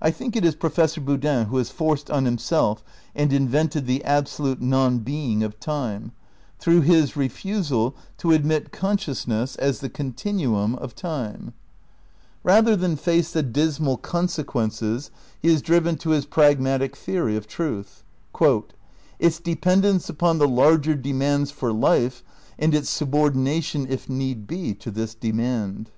I think it is Professor Boodin who has forced on him self and invented the absolute non being of time, through his refusal to admit consciousness as the con 158 THE NEW IDEALISM iv tinuum of time. Rather than face the dismal conse quences he is driven to his pragmatic theory of truth : "its dependence upon the larger demands for life, and its sub ordination, if need be, to this demand."